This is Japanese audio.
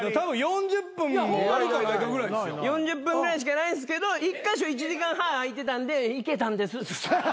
４０分ぐらいしかないんですけど１カ所１時間半空いてたんで行けたんです。